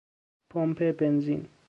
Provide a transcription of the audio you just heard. پمپ بنزین